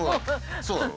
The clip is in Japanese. そうなの？